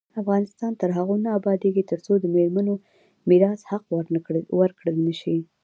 افغانستان تر هغو نه ابادیږي، ترڅو د میرمنو میراث حق ورکړل نشي.